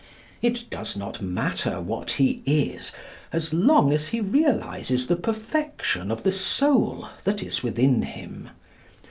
It does not matter what he is, as long as he realises the perfection of the soul that is within him.